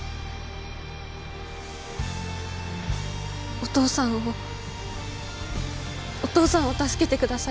お父さんをお父さんを助けてください